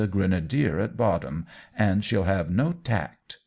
grenadier at bottom, and she'll have no tact.